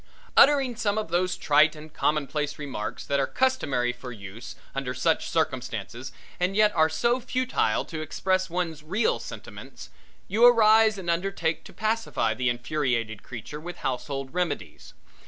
Uttering some of those trite and commonplace remarks that are customary for use under such circumstances and yet are so futile to express one's real sentiments, you arise and undertake to pacify the infuriated creature with household remedies.